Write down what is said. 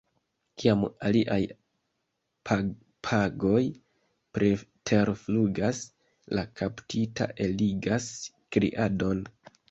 Kiam aliaj papagoj preterflugas, la kaptita eligas kriadon.